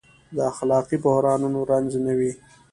د اخلاقي بحرانونو رنځ نه وي.